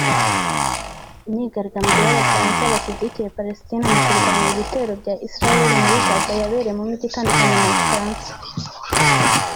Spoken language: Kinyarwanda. Imyigaragambyo y’Abafaransa bashyigikiyePalestina mu kurwanya ibitero bya Isiraheli muri Gaza yabereye mu Mijyi itandukanyemu Bufaransa